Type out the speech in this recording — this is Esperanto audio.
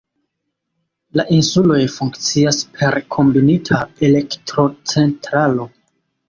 La insuloj funkcias per kombinita elektrocentralo.